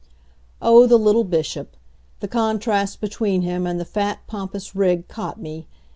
Oh, the little Bishop the contrast between him and the fat, pompous rig caught me!